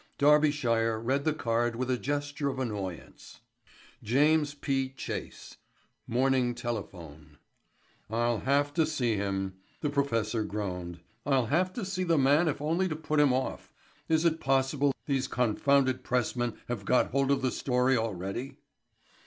Darbyshire read the card with a gesture of annoyance: James P. Chase Morning Telephone "I'll have to see him," the Professor groaned, "I'll have to see the man if only to put him off. Is it possible these confounded pressmen have got hold of the story already?"